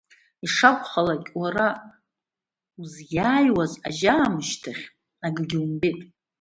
Ишакәхалак, уара узиааиуаз ажьа аамышьҭахь акгьы умбеит.